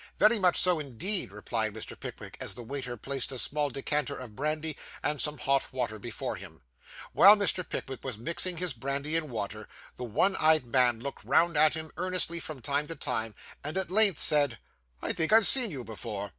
'Very much so indeed,' replied Mr. Pickwick, as the waiter placed a small decanter of brandy, and some hot water before him. While Mr. Pickwick was mixing his brandy and water, the one eyed man looked round at him earnestly, from time to time, and at length said 'I think I've seen you before.